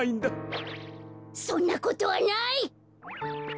そんなことはない！